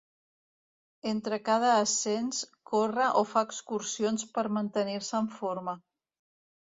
Entre cada ascens, corre o fa excursions per mantenir-se en forma.